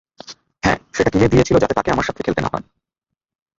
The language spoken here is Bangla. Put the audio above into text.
হ্যাঁ, সেটা কিনে দিয়েছিল যাতে তাকে আমার সাথে খেলতে না হয়।